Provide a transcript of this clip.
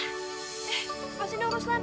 eh kepasin dong ruslan